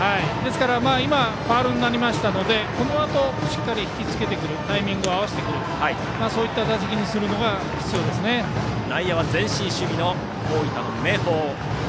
今はファウルになりましたのでこのあと引き付けてタイミングを合わせてくる打席にするのが内野は前進守備の大分・明豊。